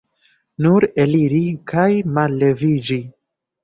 Nur eliri kaj malleviĝi!